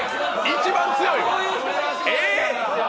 一番強いわ。